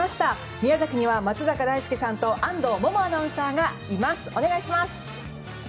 宮崎には松坂大輔さんと安藤萌々アナウンサーがいます。